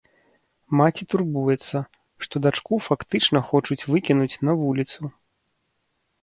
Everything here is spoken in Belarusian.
Маці турбуецца, што дачку фактычна хочуць выкінуць на вуліцу.